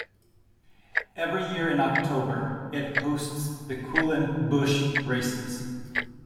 Every year in October, it hosts the Kulin Bush Races.